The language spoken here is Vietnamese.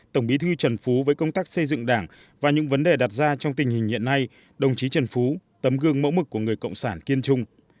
tổng bí thư trần phú với công tác xây dựng đảng và những vấn đề đặt ra trong tình hình hiện nay đồng chí trần phú tấm gương mẫu mực của người cộng sản kiên trung